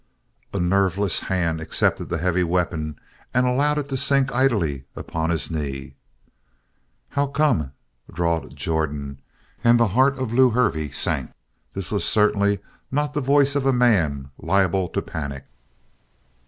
A nerveless hand accepted the heavy weapon and allowed it to sink idly upon his knee. "How come?" drawled Jordan, and the heart of Lew Hervey sank. This was certainly not the voice of a man liable to panic.